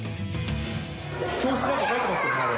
教室になんか書いてますよねあれ。